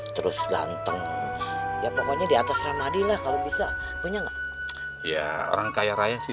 terus ganteng ya pokoknya diatas ramadhin lah kalau bisa punya enggak ya orang kaya raya sih